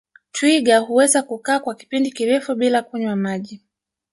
Twiga huweza kukaa kwa kipindi kirefu bila kunywa maji